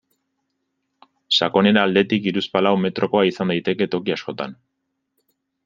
Sakonera aldetik hiruzpalau metrokoa izan daiteke toki askotan.